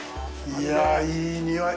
いやぁ、いい匂い！